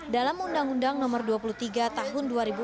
dalam undang undang nomor dua puluh tiga tahun dua ribu empat